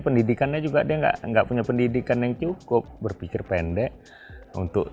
pendidikannya juga dia enggak enggak punya pendidikan yang cukup berpikir pendek untuk